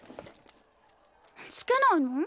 付けないの？